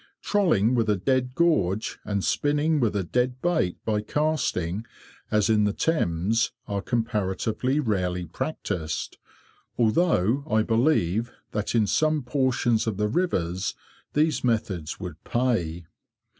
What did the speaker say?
Trolling with a dead gorge, and spinning with a dead bait by casting, as in the Thames, are comparatively rarely practised, although I believe that in some portions of the rivers these methods would "pay."